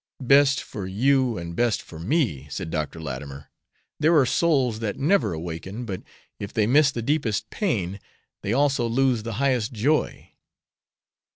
"Best for you and best for me," said Dr. Latimer. "There are souls that never awaken; but if they miss the deepest pain they also lose the highest joy."